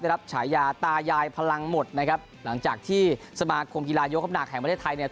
รับฉายาตายายพลังหมดนะครับหลังจากที่สมาคมกีฬายกคำหนักแห่งประเทศไทยเนี่ย